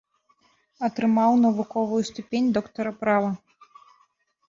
Атрымаў навуковую ступень доктара права.